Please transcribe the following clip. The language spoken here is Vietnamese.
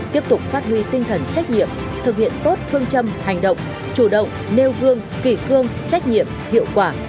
tiếp tục phát huy tinh thần trách nhiệm thực hiện tốt phương châm hành động chủ động nêu gương kỷ cương trách nhiệm hiệu quả